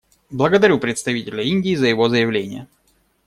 Благодарю представителя Индии за его заявление.